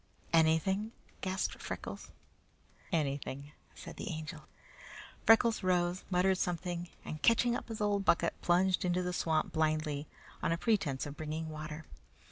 "Anything!" gasped Freckles. "Anything," said the Angel. Freckles arose, muttered something, and catching up his old bucket, plunged into the swamp blindly on a pretence of bringing water.